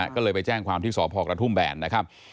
ก็เลยไปแจ้งความที่สพกระทุ่มแบนนะครับ